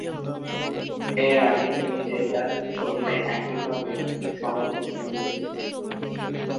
এর আগে তিনি দেবদাস ছবিতে একই ভাবে সমালোচনায় এসেছিলেন।